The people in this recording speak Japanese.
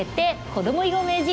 こども囲碁名人」。